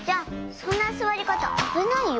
そんなすわりかたあぶないよ。